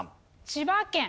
千葉県。